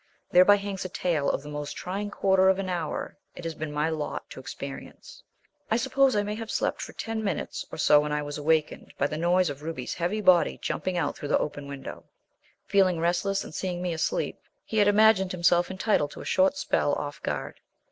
Thereby hangs a tale of the most trying quarter of an hour it has been my lot to experience. I suppose I may have been asleep for ten minutes or so when I was awakened by the noise of Ruby's heavy body jumping out through the open window. Feeling restless and seeing me asleep, he had imagined himself entitled to a short spell off guard.